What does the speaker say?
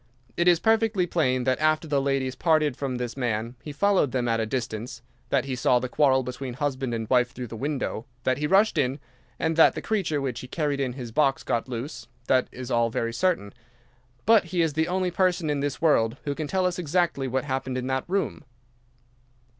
It is perfectly plain that after the ladies parted from this man he followed them at a distance, that he saw the quarrel between husband and wife through the window, that he rushed in, and that the creature which he carried in his box got loose. That is all very certain. But he is the only person in this world who can tell us exactly what happened in that room."